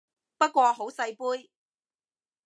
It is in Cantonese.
不過好細杯